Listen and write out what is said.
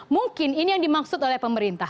mungkin ini yang dimaksud oleh pemerintah